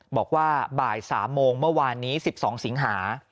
บอกว่าบ่าย๓โมงเมื่อวานนี้๑๒สิงหา